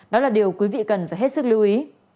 đó là điều quý vị cần phải hết sức lưu ý